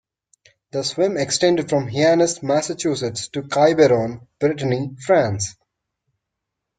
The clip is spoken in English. The swim extended from Hyannis, Massachusetts to Quiberon, Brittany, France.